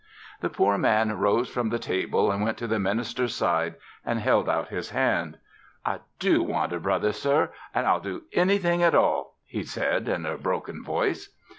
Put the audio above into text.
The poor man rose from the table and went to the minister's side and held out his hand. "I do want a brother, sir, an' I'll do anything at all," he said in a broken voice.